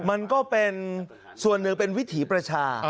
มันก็เป็นส่วนหนึ่งเป็นวิถีประชา